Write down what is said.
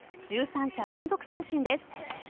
１３者連続三振です。